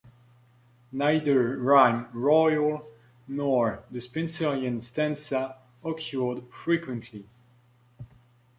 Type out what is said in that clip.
Neither rhyme royal nor the Spenserian stanza occurred frequently.